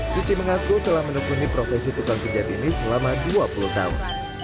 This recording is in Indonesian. suci mengaku telah menekuni profesi tukang pijat ini selama dua puluh tahun